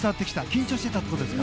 緊張してたってことですか？